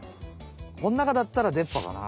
こん中だったらでっ歯かな。